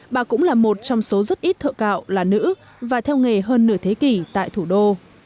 bà cũng là một trong số rất ít thợ cạo là nữ và theo nghề hơn nửa thế kỷ tại thủ đô